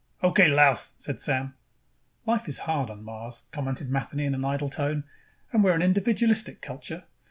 "Okay, louse," said Sam. "Life is hard on Mars," commented Matheny in an idle tone, "and we're an individualistic culture.